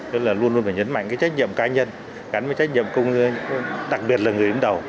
thế là luôn luôn phải nhấn mạnh cái trách nhiệm cá nhân gắn với trách nhiệm công nhân đặc biệt là người đến đầu